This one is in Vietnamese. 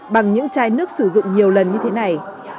bằng những chai nước sử dụng nhiều lần như thế này